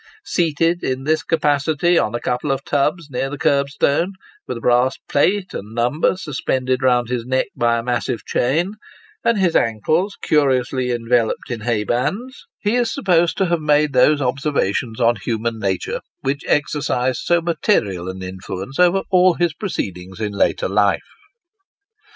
Seated, in this capacity, on a couple of tubs near the curb stone, with a brass plate and number suspended round his neck by a massive chain, and his ankles curiously enveloped in haybands, he is supposed to have made those observations on human nature which exercised so material an influence over all his proceedings in later life.